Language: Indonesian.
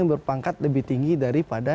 yang berpangkat lebih tinggi daripada